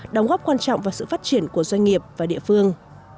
đóng góp quan trọng vào sự phát triển của doanh nghiệp và địa phương